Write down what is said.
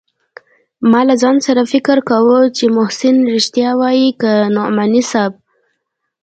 ما له ځان سره فکر کاوه چې محسن رښتيا وايي که نعماني صاحب.